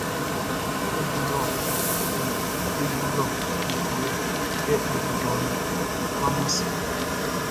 Ijɔ lɔ Ijɔ kɛ e ijɔ lɔ e tuaman sika.